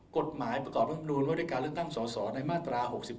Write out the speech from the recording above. กฎหมายประกอบร่วมนูนวิวดิการเลือกตั้งส่อในมาตรา๖๑